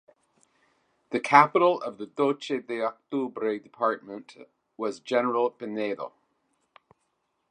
The capital of the Doce de Octubre department was General Pinedo.